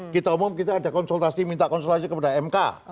kita umum kita ada konsultasi minta konsultasi kepada mk